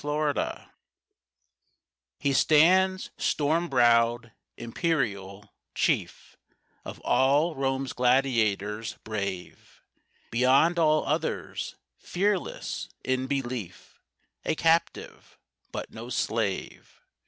Spartacus He stands storm browed, imperial, chief Of all Rome's gladiators; brave Beyond all others; fearless in belief, A captive but no slave.